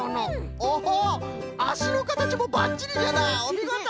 オホあしのかたちもばっちりじゃなおみごと！